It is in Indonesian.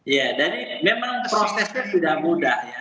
ya dan ini memang prosesnya tidak mudah ya